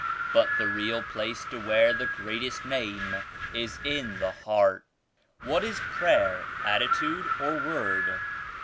But the real place to wear the Greatest Name is in the heart." "What is prayer; attitude or word?"